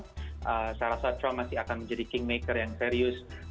saya rasa trump masih akan menjadi kingmaker yang serius